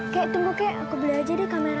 kek tunggu kek aku beli aja deh kameranya